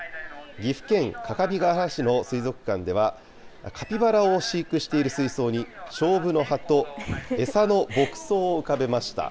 岐阜県各務原市の水族館では、カピバラを飼育している水槽に、しょうぶの葉と餌の牧草を浮かべました。